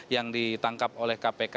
yang ditangkap oleh kpk